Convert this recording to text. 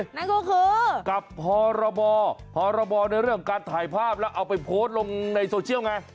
นั่นก็คือกับพรบพรบในเรื่องการถ่ายภาพแล้วเอาไปโพสต์ลงในโซเชียลไง